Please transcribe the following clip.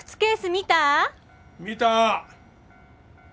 見た！